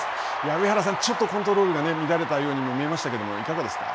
上原さん、ちょっとコントロールが乱れたように見えましたけれども、いかがですか。